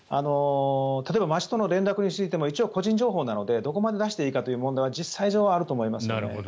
例えば、町との連絡についても個人情報なのでどこまで出していいのかというのは実際上あると思いますね。